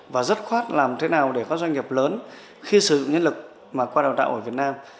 và rất khoát làm thế nào để có doanh nghiệp lớn khi sự nhân lực mà qua đào tạo ở việt nam